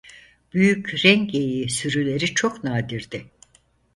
Büyük ren geyiği sürüleri çok nadirdi.